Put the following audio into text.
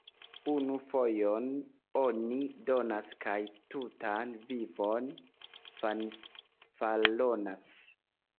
Unu fojon oni donas kaj tutan vivon fanfaronas.